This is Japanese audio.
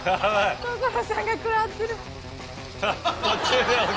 所さんが食らってる。